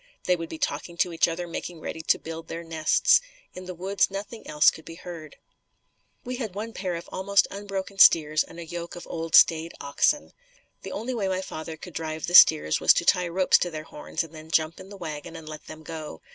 They would be talking to each other, making ready to build their nests. In the woods, nothing else could be heard. We had one wild pair of almost unbroken steers and a yoke of old staid oxen. The only way father could drive the steers was to tie ropes to their horns and then jump in the wagon and let them go.